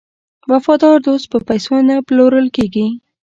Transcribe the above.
وفادار دوست په پیسو نه پلورل کیږي.